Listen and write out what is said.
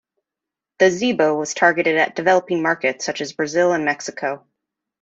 The Zeebo was targeted at developing markets such as Brazil and Mexico.